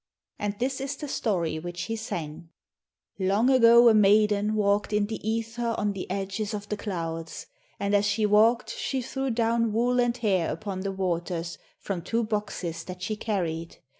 And this is the story which he sang: 'Long ago a maiden walked in the ether on the edges of the clouds, and as she walked she threw down wool and hair upon the waters from two boxes that she carried.